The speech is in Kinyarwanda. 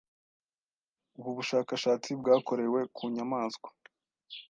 Ubu bushakashatsi bwakorewe ku nyamaswa